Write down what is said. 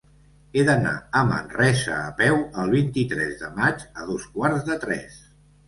He d'anar a Manresa a peu el vint-i-tres de maig a dos quarts de tres.